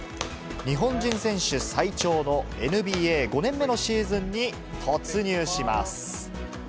日本人選手最長の、ＮＢＡ５年目のシーズンに突入します。